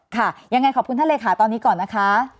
ค่ะยังไงขอบคุณท่านเลขาตอนนี้ก่อนนะคะ